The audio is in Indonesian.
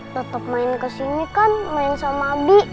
tetap main ke sini kan main sama abi